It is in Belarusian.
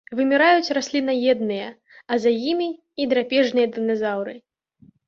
Выміраюць расліннаедныя, а за імі і драпежныя дыназаўры.